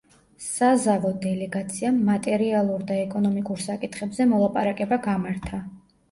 საზავო დელეგაციამ მატერიალურ და ეკონომიკურ საკითხებზე მოლაპარაკება გამართა.